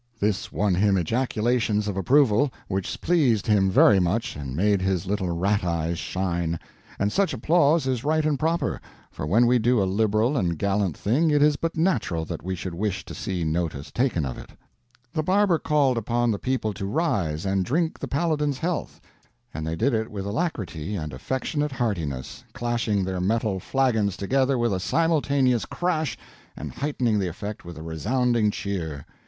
This won him ejaculations of approval, which pleased him very much and made his little rat eyes shine; and such applause is right and proper, for when we do a liberal and gallant thing it is but natural that we should wish to see notice taken of it. The barber called upon the people to rise and drink the Paladin's health, and they did it with alacrity and affectionate heartiness, clashing their metal flagons together with a simultaneous crash, and heightening the effect with a resounding cheer.